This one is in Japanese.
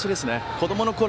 子どものころ